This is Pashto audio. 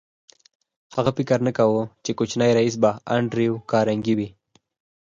هغه فکر نه کاوه چې کوچنی ريیس انډریو کارنګي به وي